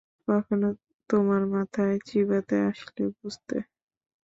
কখনো তোমার মাথায় চিবাতে আসলে বুঝতে।